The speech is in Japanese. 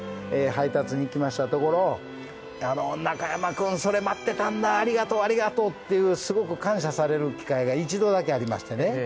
中山君、それ待ってたんだありがとう、ありがとうとすごく感謝される機会が一度だけありましてね。